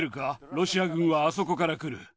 ロシア軍はあそこから来る。